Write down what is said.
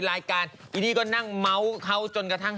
ผ่านมาเรื่อยขึ้นระหว่างเนี่ย